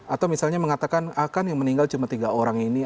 atau misalnya mengatakan akan yang meninggal cuma tiga orang ini